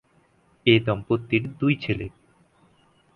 এ দম্পতির দুই ছেলে।